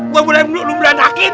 gue boleh nunggu nangakin